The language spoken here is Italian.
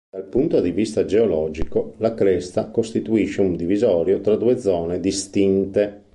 Dal punto di vista geologico, la cresta costituisce un divisorio tra due zone distinte.